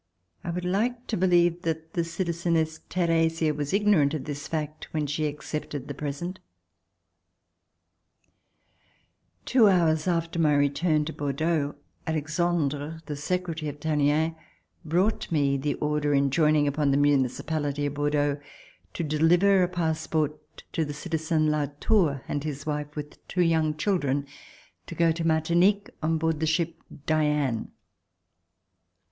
I would like to believe that the citlzeness Theresia was ignorant of this fact when she accepted the present. Two hours after my return to Bordeaux, Alexandre, the secretary of Tallien, brought me the order en joining upon the municipality of Bordeaux to deliver a passport to the citizen Latour and his wife with two young children, to go to Martinique on board the ship "Diane."